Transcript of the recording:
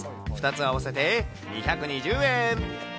２つ合わせて２２０円。